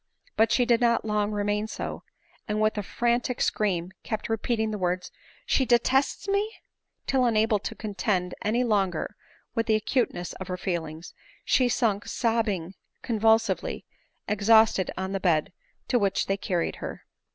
But she did not long remain so, and with a frantic scream kept repeating the words " She detests me !" till unable to contend any longer with the acuteness of her feelings, she sunk sobbing convulsively, exhausted on the bed to which they carried her.